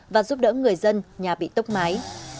và giúp đỡ người dân nhà bị tốc mái